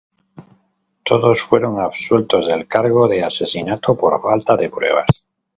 Todos fueron absueltos del cargo de asesinato por falta de pruebas.